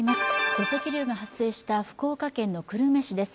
土石流が発生した福岡県久留米市です。